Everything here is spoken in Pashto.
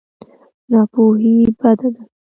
ناپوهي بده ده.